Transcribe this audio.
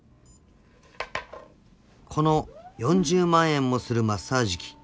［この４０万円もするマッサージ機］